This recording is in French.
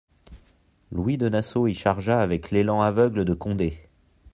Louis de Nassau y chargea avec l'élan aveugle de Condé.